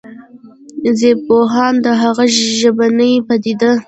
ژبپوهان د هغه ژبنې پديده